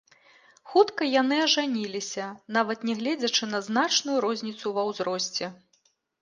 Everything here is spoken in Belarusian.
Хутка яны ажаніліся нават нягледзячы на значную розніцу ва ўзросце.